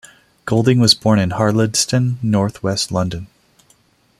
Golding was born in Harlesden, North West London.